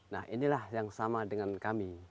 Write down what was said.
nah inilah yang sama dengan kami